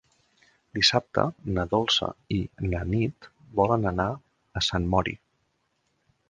Dissabte na Dolça i na Nit volen anar a Sant Mori.